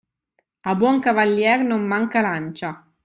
A buon cavalier non manca lancia.